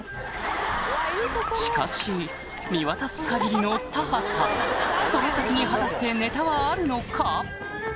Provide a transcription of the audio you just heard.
しかし見渡す限りの田畑その先に果たしてネタはあるのか？